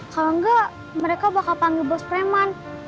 kalau enggak mereka bakal panggil bos preman